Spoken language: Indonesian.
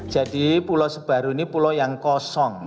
jadi pulau sebaru ini pulau yang kosong